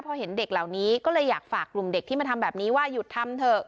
พอเห็นเด็กเหล่านี้ก็เลยอยากฝากกลุ่มเด็กที่มาทำแบบนี้ว่าหยุดทำเถอะ